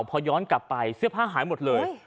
พอย้อนกลับไปเสื้อผ้าหายหมดเลย